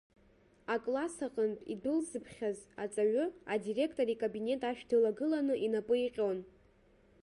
Акласс аҟнытә идәылзыԥхьаз аҵаҩы, адиректор икабинет ашә дылагыланы инапы иҟьон.